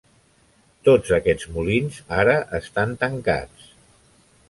Tots aquests molins ara estan tancats.